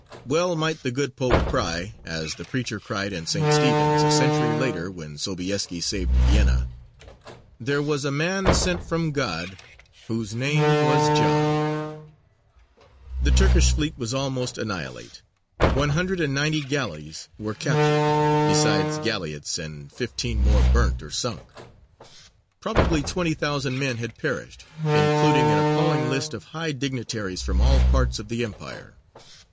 Well might the good Pope cry, as the preacher cried in St. Stephen's a century later when Sobieski saved Vienna, "There was a man sent from GOD, whose name was JOHN." The Turkish fleet was almost annihilate: one hundred and ninety galleys were captured, besides galleots, and fifteen more burnt or sunk; probably twenty thousand men had perished, including an appalling list of high dignitaries from all parts of the empire.